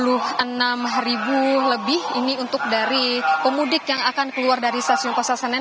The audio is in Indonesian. istana ini sekitar dua puluh enam ribu lebih ini untuk dari pemudik yang akan keluar dari stasiun pasar senen